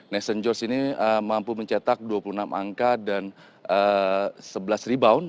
nation george ini mampu mencetak dua puluh enam angka dan sebelas rebound